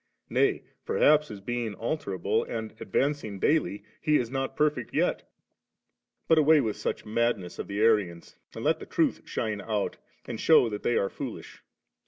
Nay, perhaps, as being alterable^ and advancing daily. He is not perfect yet But away with such madness of the ArianSy and let the truth shine out, and shew that they are foolish.